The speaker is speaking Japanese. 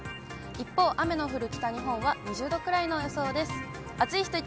一方、雨の降る北日本は、２０度くらいの予想です。